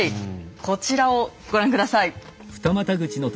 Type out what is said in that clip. こちらをご覧下さい。